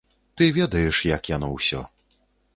Ты ведаеш, як яно ўсё.